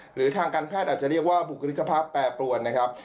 หรือทางการแพทย์อาจจะเรียกว่าบุคลิกภาพแปรปรวนนะครับ